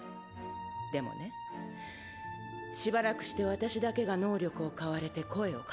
でもねしばらくして私だけが能力を買われて声をかけられた。